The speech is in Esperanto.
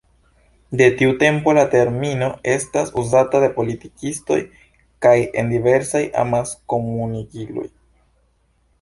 De tiu tempo la termino estas uzata de politikistoj kaj en diversaj amaskomunikiloj.